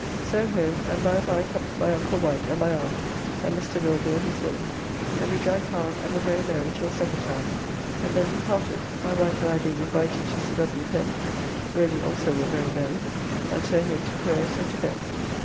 So home, and by and by comes my uncle Wight and my aunt and Mr. Norbury and his lady, and we drank hard and were very merry till supper time, and then we parted, my wife and I being invited to Sir W. Pen's, where we also were very merry, and so home to prayers and to bed.